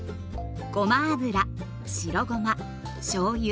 ごま油白ごましょうゆ